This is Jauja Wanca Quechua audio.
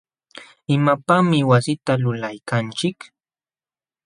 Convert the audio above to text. ¿imapaqmi wasita lulaykanchik?